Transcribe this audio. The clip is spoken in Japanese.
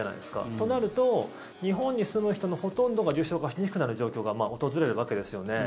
となると日本に住む人のほとんどが重症化しにくくなる状況が訪れるわけですよね。